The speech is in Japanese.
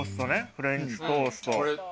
フレンチトースト。